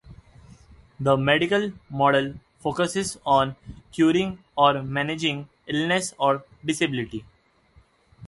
The medical model focuses on curing or managing illness or disability.